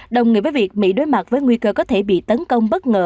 đồng nghĩa với việc mỹ đối mặt với nguy cơ có thể bị tấn công bất ngờ